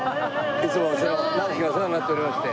いつもお世話ナオキがお世話になっておりまして。